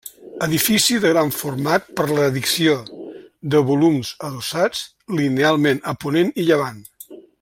Edifici de gran format per l'addició de volums adossats linealment a ponent i llevant.